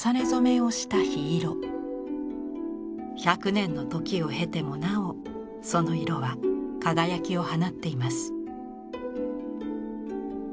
１００年の時を経てもなおその色は輝きを放っています。